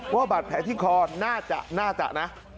ว่าบาดแผลที่คอน่าจะน่าจะนะ